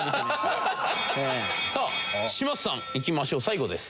さあ嶋佐さんいきましょう最後です。